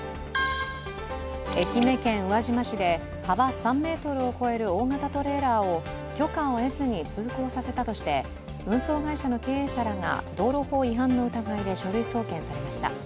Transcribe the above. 愛媛県宇和島市で幅３ｍを超える、大型トレーラーを許可を得ずに通行させたとして運送会社の経営者らが道路法違反の疑いで書類送検されました。